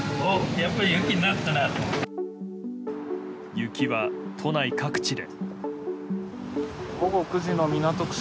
雪は都内各地で。